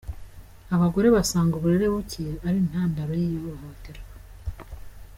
Abagore basanga uburere buke ari intandaro y’ihohoterwa